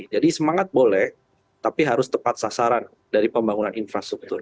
jadi semangat boleh tapi harus tepat sasaran dari pembangunan infrastruktur